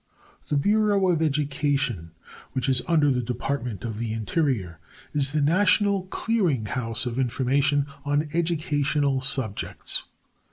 The Bureau of Education, which is under the Department of the Interior, is the national clearing house of information on educational subjects.